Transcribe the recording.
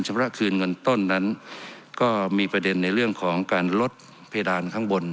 ระคืนเงินต้นนั้นก็มีประเด็นในเรื่องของการลดเพดานข้างบน